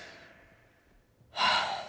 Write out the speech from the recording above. はあ。